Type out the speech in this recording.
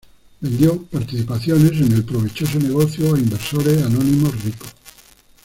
Vendió participaciones en el provechoso negocio a inversores anónimos ricos.